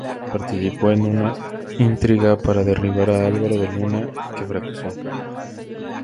Participó en una intriga para derribar a Álvaro de Luna, que fracasó.